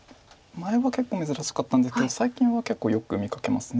前は結構珍しかったんですけど最近は結構よく見かけます。